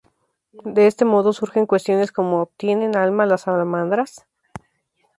De este modo, surgen cuestiones como "¿Tienen alma las salamandras?